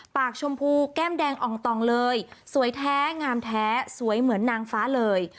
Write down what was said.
ชมพูแก้มแดงอ่องต่องเลยสวยแท้งามแท้สวยเหมือนนางฟ้าเลย